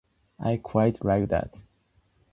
I quite like that.